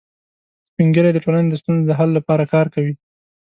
سپین ږیری د ټولنې د ستونزو د حل لپاره کار کوي